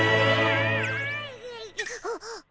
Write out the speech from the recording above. あっ！